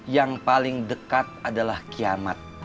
yang paling dekat adalah kiamat